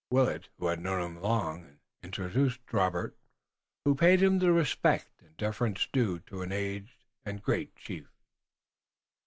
Willet, who had known him long, introduced Robert, who paid him the respect and deference due to an aged and great chief.